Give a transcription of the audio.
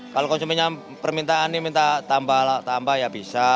kalau konsumennya permintaan ini minta tambah ya bisa